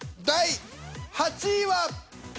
第８位は。